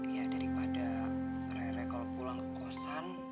ya daripada re kalau pulang ke kosan